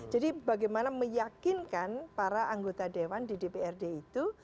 jadi bagaimana meyakinkan para anggota dewan di dprd itu